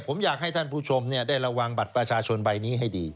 ผมอยากให้ท่านผู้ชมได้ระวังบัตรประชาชนใบนี้ให้ดี